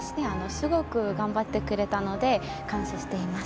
すごく頑張ってくれたので感謝しています。